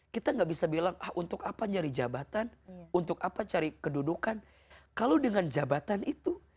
kita gak bisa bilang ah untuk apa nyari jabatan untuk apa cari kedudukan kalau dengan jabatan itu